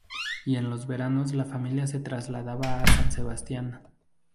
Y en los veranos la familia se trasladaba a San Sebastián.